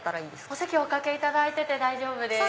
お席お掛けいただいて大丈夫です